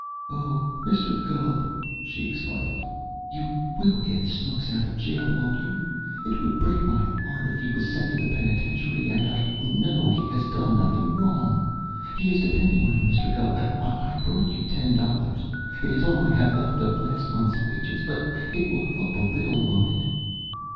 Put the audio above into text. "Oh, Mr. Gubb!" she exclaimed. "You will get Snooks out of jail, won't you? It would break my heart if he was sent to the penitentiary, and I know he has done nothing wrong! He is depending on you, Mr. Gubb. I brought you ten dollars it is all I have left of last month's wages, but it will help a little, won't it?"